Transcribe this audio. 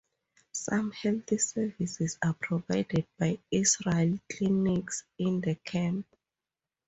Some health services are provided by Israeli clinics in the camp.